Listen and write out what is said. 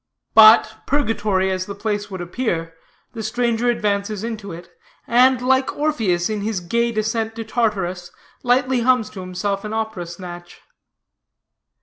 But, purgatory as the place would appear, the stranger advances into it: and, like Orpheus in his gay descent to Tartarus, lightly hums to himself an opera snatch.